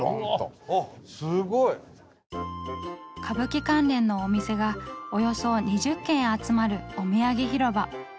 歌舞伎関連のお店がおよそ２０軒集まるお土産広場。